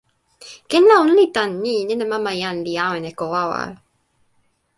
ken la ona li tan ni: nena mama jan li awen e ko wawa.